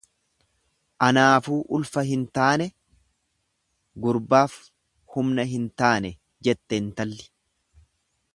Anaafuu ulfa hin taane gurbaaf humna hin taane jette intalli.